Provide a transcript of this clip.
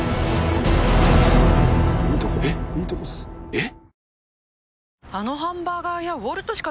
えっ？